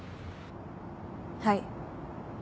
はい。